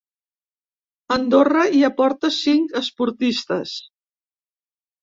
Andorra hi aporta cinc esportistes.